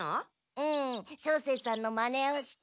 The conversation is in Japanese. うん照星さんのまねをして。